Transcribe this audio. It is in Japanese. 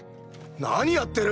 何やってる！